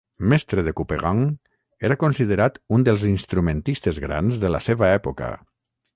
Mestre de Couperin, era considerat un dels instrumentistes grans de la seva època.